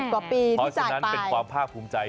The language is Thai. ๒๐กว่าปีที่จัดไปความภาคภูมิใจ